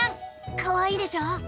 かわいいでしょ。